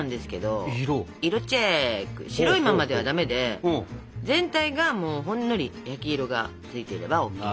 白いままではダメで全体がほんのり焼き色がついてればＯＫね。